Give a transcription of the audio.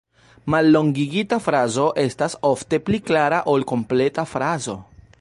Mallongigita frazo estas ofte pli klara ol kompleta frazo.